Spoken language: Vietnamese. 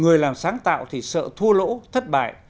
người làm sáng tạo thì sợ thua lỗ thất bại